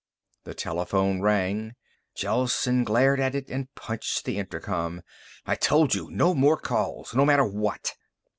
The telephone rang. Gelsen glared at it and punched the intercom. "I told you no more calls, no matter what."